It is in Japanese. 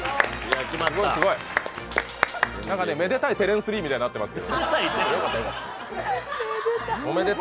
めでたい、テレンス・リーみたいになってます。